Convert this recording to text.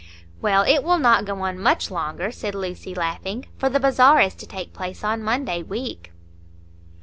"Well, it will not go on much longer," said Lucy, laughing, "for the bazaar is to take place on Monday week."